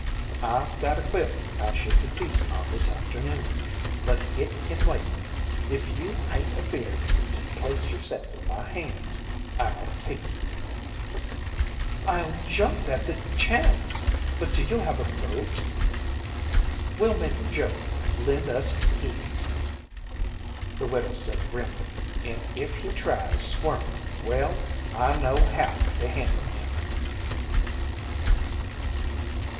"I've got a quilt I should be piecin' on this afternoon, but hit can wait. If you hain't afeared to place yerself in my hands, I'll take you." "I'll jump at the chance! But do you have a boat?" "We'll make Joe lend us his!" the widow said grimly. "And if he tries squirmin', well, I know how to handle him!"